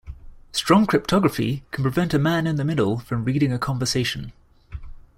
Strong cryptography can prevent a man in the middle from reading a conversation.